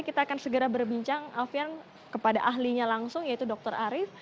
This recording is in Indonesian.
kita akan segera berbincang alfian kepada ahlinya langsung yaitu dr arief